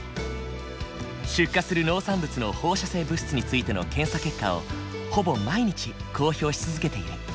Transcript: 出荷する農産物の放射性物質についての検査結果をほぼ毎日公表し続けている。